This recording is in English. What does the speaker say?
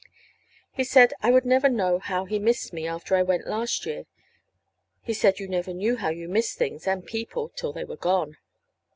He said I would never know how he missed me after I went last year. He said you never knew how you missed things and people till they were gone.